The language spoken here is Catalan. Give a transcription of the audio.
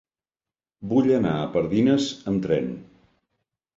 Vull anar a Pardines amb tren.